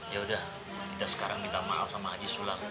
yaudah kita sekarang minta maaf sama haji sulang